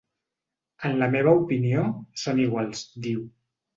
En la meva opinió, són iguals, diu.